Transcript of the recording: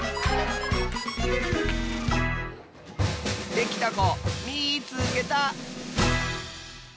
できたこみいつけた！